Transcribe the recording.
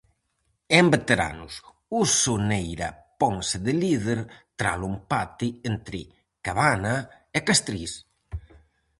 E en veteranos, o Soneira ponse de líder tralo empate entre Cabana e Castriz.